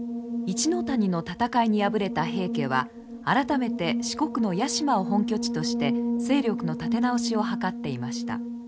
一ノ谷の戦いに敗れた平家は改めて四国の屋島を本拠地として勢力の立て直しを図っていました。